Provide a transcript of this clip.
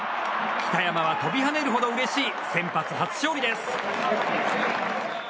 北山は飛び跳ねるほどうれしい先発初勝利です。